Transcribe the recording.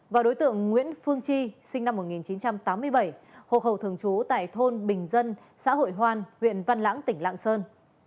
và đối tượng nguyễn phương chi sinh năm một nghìn chín trăm tám mươi bảy hộ khẩu thường trú tại thôn bình dân xã hội hoan huyện văn lãng tỉnh lạng sơn